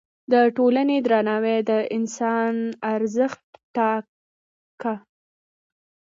د ټولنې درناوی د انسان ارزښت ټاکه.